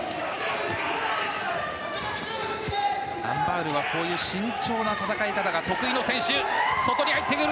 アン・バウルはこういう慎重な戦い方が得意。